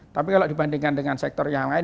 tapi kalau dibandingkan dengan sektor yang lain